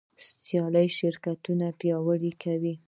سیالي شرکتونه پیاوړي کوي.